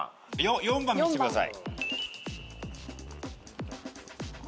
４番見せてください。